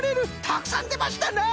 たくさんでましたな！